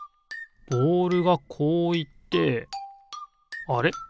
ボールがこういってあれ？